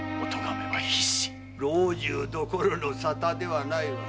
老中どころの沙汰ではないわ。